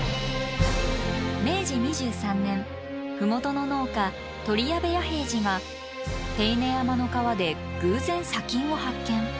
明治２３年麓の農家鳥谷部彌平治が手稲山の川で偶然砂金を発見。